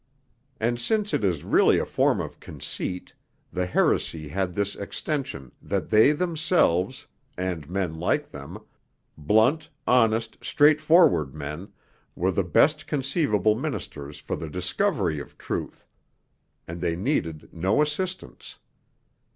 And since it is really a form of conceit, the heresy had this extension, that they themselves, and men like them, blunt, honest, straightforward men, were the best conceivable ministers for the discovery of truth and they needed no assistance.